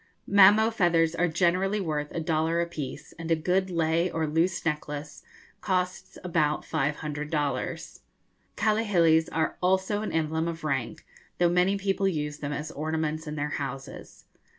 Mamo feathers are generally worth a dollar a piece, and a good lei or loose necklace costs about five hundred dollars. Kahilis are also an emblem of rank, though many people use them as ornaments in their houses.